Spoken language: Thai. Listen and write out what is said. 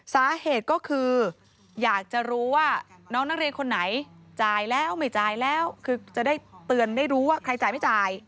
สาเหตุก็คืออยากจะรู้ว่าน้องนักเรียนคนไหนจ่ายแล้วไม่จ่ายแล้วคือจะได้เตือนได้รู้ว่าใครจ่ายไม่จ่าย